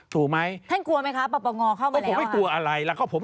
ถูกไหม